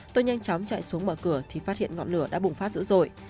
tôi nhanh chóng chạy xuống mở cửa thì phát hiện ngọn lửa đã bùng phát dữ dội